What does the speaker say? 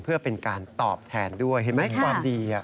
เพื่อเป็นการตอบแทนด้วยเห็นไหมความดี